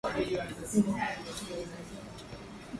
Yule aliyeketi anaangalia tu